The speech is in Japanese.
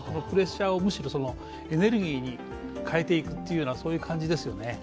プレッシャーをむしろエネルギーに変えていくというような感じですよね。